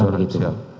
ada yang bocorkan